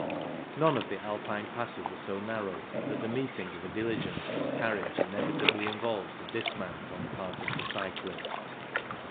None of the Alpine passes are so narrow that the meeting of a diligence or carriage inevitably involves a dismount on the part of the cyclist.